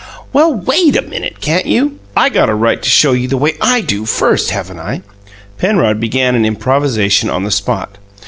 "Well, WAIT a minute, can't you? I got a right to show you the way I DO, first, haven't I?" Penrod began an improvisation on the spot.